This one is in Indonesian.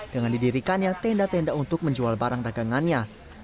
dengan didirikannya tenda tenda untuk menjual barang dagangannya